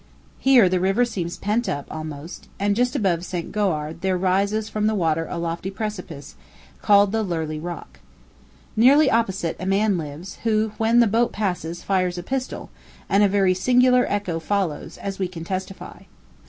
Here the river seems pent up, almost; and just above St. Goar there rises from the water a lofty precipice, called the Lurley Rock. Nearly opposite, a man lives, who, when the boat passes, fires a pistol, and a very singular echo follows, as we can testify.